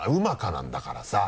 なんだからさ。